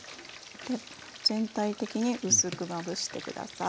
で全体的に薄くまぶして下さい。